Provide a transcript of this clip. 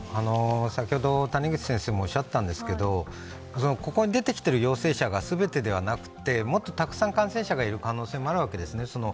先ほど、谷口先生もおっしゃったんですけどここに出てきている陽性者が全てではなくて、もっとたくさん感染者がいる可能性もあるわけですね。